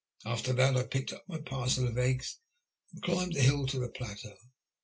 After that I picked up my parcel of eggs and climbed the hiU to the plateau.